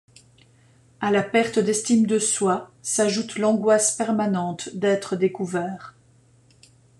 À la perte d'estime de soi s'ajoute l'angoisse permanente d'être découvert.